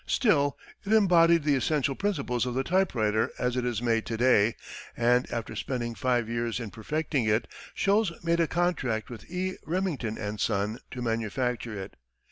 Still, it embodied the essential principles of the typewriter as it is made to day, and after spending five years in perfecting it, Sholes made a contract with E. Remington & Son to manufacture it.